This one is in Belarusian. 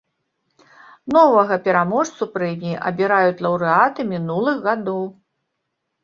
Новага пераможцу прэміі абіраюць лаўрэаты мінулых гадоў.